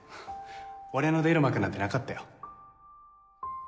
俺の出る幕なんてなかったよ